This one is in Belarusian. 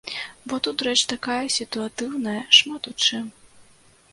Бо тут рэч такая сітуатыўная шмат у чым.